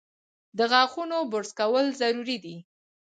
د غاښونو برس کول ضروري دي۔